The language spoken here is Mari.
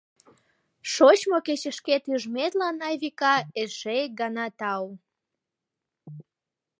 — Шочмо кечышкет ӱжметлан, Айвика, эше ик гана тау!